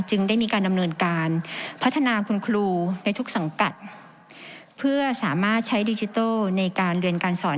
ได้มีการดำเนินการพัฒนาคุณครูในทุกสังกัดเพื่อสามารถใช้ดิจิทัลในการเรียนการสอน